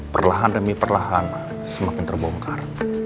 perlahan demi perlahan semakin terbongkar